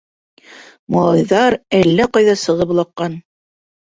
Малайҙар әллә ҡайҙа сығып олаҡҡан.